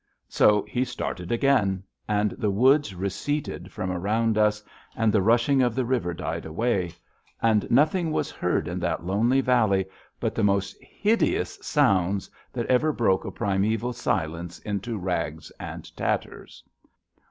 So he started again, and the woods receded from around us, and the rushing of the river died away, and nothing was heard in that lonely valley but the most hideous sounds that ever broke a primeval silence into rags and tatters.